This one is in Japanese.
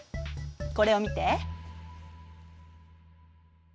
これを見て。